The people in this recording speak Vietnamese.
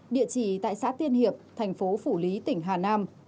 địa chỉ tại xã tiên hiệp thành phố phủ lý tỉnh hà nam